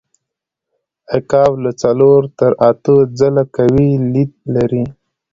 عقاب له څلور تر اتو ځله قوي لید لري.